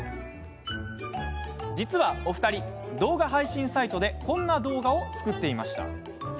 実はお二人、動画配信サイトでこんな動画を作っていました。